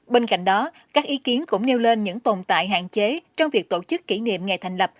bên cạnh đó các ý kiến cũng nêu lên những tồn tại hạn chế trong việc tổ chức kỷ niệm ngày thành lập